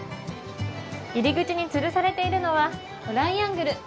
入り口につるされているのはトライアングル。